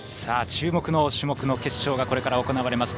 注目の種目の決勝がこれから行われます。